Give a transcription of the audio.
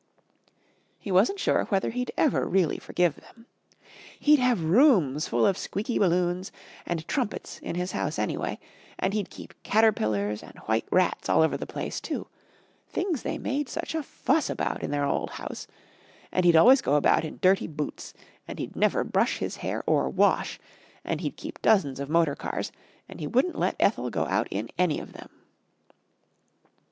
He wasn't sure whether he'd ever really forgive them. He'd have rooms full of squeaky balloons and trumpets in his house anyway, and he'd keep caterpillars and white rats all over the place too things they made such a fuss about in their old house and he'd always go about in dirty boots, and he'd never brush his hair or wash, and he'd keep dozens of motor cars, and he wouldn't let Ethel go out in any of them.